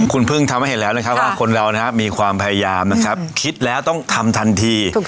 คุณพึ่งทำให้เห็นแล้วนะครับว่าคนเรานะครับมีความพยายามนะครับคิดแล้วต้องทำทันที